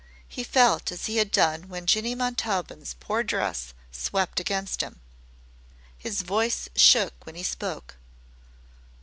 He felt as he had done when Jinny Montaubyn's poor dress swept against him. His voice shook when he spoke.